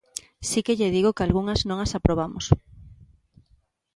Si que lle digo que algunhas non as aprobamos.